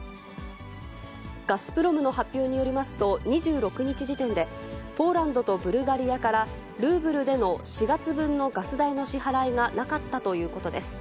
ガスプロムの発表によりますと、２６日時点で、ポーランドとブルガリアから、ルーブルでの４月分のガス代の支払いがなかったということです。